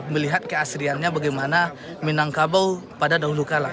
melihat keasliannya bagaimana minangkabau pada dahulu kalah